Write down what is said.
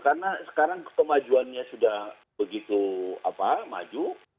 karena sekarang kemajuannya sudah begitu apa maju